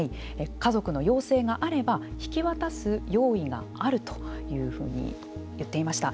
家族の要請があれば引き渡す用意があるというふうに言っていました。